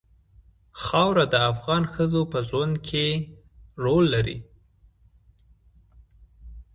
خاوره د افغان ښځو په ژوند کې رول لري.